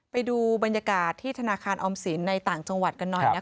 ไปดูบรรยากาศที่ธนาคารออมสินในต่างจังหวัดกันหน่อยนะคะ